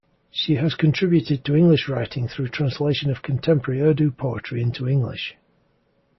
She has contributed to English writing through translation of contemporary Urdu poetry into English.